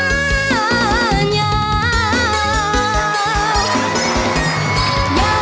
สิบห้า